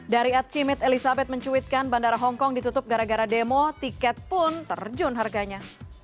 dari at cimit elizabeth mencuitkan bandara hongkong ditutup gara gara demo tiket pun terjun harganya